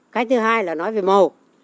cái thứ hai là nói về màu